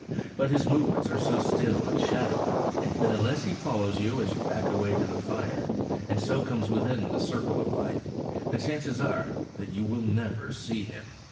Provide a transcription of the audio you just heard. But his movements are so still and shadowy that unless he follows you as you back away to the fire, and so comes within the circle of light, the chances are that you will never see him.